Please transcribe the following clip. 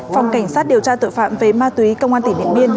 phòng cảnh sát điều tra tội phạm về ma túy công an tỉnh điện biên